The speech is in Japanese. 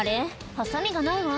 はさみがないわ。